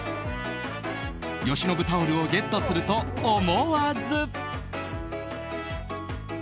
由伸タオルをゲットすると思わず。